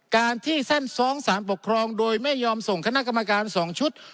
การที่ท่านฟ้องสารปกครองโดยไม่ยอมส่งคณะกรรมการ๒ชุด